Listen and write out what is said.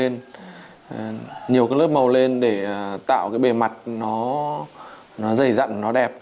nhiều các lớp màu lên để tạo cái bề mặt nó dày dặn nó đẹp